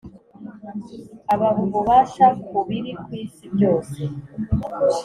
abaha ububasha ku biri ku isi byose